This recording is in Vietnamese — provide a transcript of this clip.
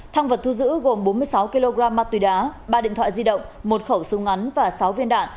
thăng vật thu giữ gồm bốn mươi sáu kg ma túy đá ba điện thoại di động một khẩu súng ngắn và sáu viên đạn